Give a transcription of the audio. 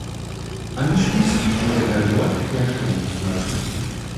Anschließend wurde er dort Herstellungsleiter.